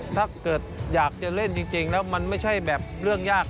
ถ้าเกิดอยากจะเล่นจริงแล้วมันไม่ใช่แบบเรื่องยาก